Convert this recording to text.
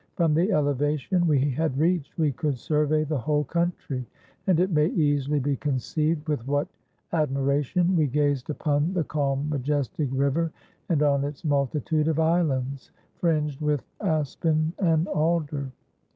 From the elevation we had reached we could survey the whole country; and it may easily be conceived with what admiration we gazed upon the calm majestic river, and on its multitude of islands, fringed with aspen and alder.